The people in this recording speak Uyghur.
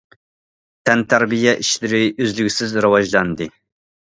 تەنتەربىيە ئىشلىرى ئۈزلۈكسىز راۋاجلاندى.